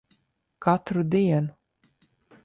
Katru dienu.